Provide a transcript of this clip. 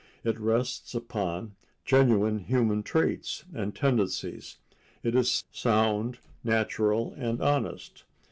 It rests upon genuine human traits and tendencies. It is sound, natural and honest.